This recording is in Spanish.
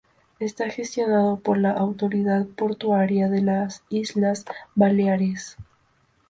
Está gestionado por la autoridad portuaria de las Islas Baleares.